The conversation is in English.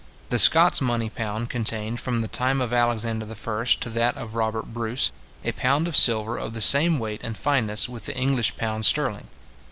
The Scots money pound contained, from the time of Alexander the First to that of Robert Bruce, a pound of silver of the same weight and fineness with the English pound sterling.